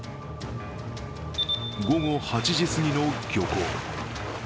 午後８時すぎの漁港。